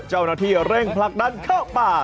เจ้าหน้าที่เร่งผลักดันเข้าป่า